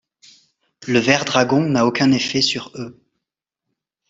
Le verredragon n'a aucun effet sur eux.